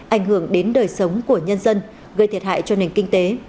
ảnh hưởng đến đời sống của nhân dân gây thiệt hại cho nền kinh tế